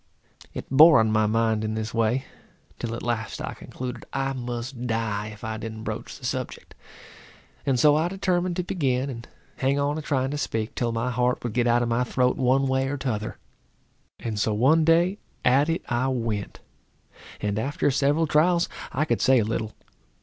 It bore on my mind in this way, till at last I concluded I must die if I didn't broach the subject; and so I determined to begin and hang on a trying to speak, till my heart would get out of my throat one way or t'other. And so one day at it I went, and after several trials I could say a little.